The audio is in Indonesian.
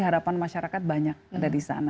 harapan masyarakat banyak dari sana